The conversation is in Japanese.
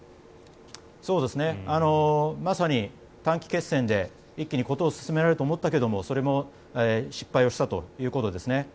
まさに短期決戦で一気に事を進められると思ったけれどもそれも失敗したということですね。